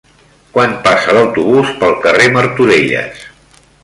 Quan passa l'autobús pel carrer Martorelles?